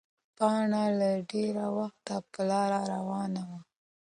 پاڼه له ډېره وخته په لاره روانه وه.